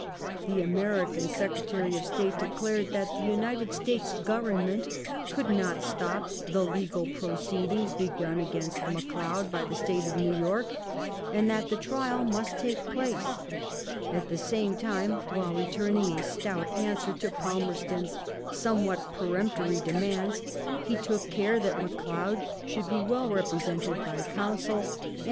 The American Secretary of State declared that the United States Government could not stop the legal proceedings begun against McLeod by the State of New York, and that the trial must take place. At the same time, while returning a stout answer to Palmerston's somewhat peremptory demands, be took care that McLeod should be well represented by counsel, and 90 LIFE OF VISCOUNT PALMEBSTOJf.